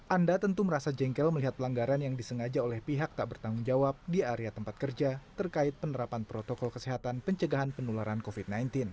anda tentu merasa jengkel melihat pelanggaran yang disengaja oleh pihak tak bertanggung jawab di area tempat kerja terkait penerapan protokol kesehatan pencegahan penularan covid sembilan belas